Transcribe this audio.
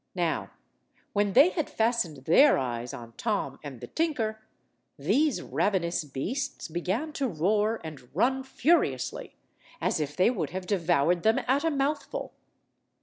Now, when they had fastened their eyes on Tom and the tinker, these ravenous beasts began to roar and run furiously, as if they would have devoured them at a mouthful.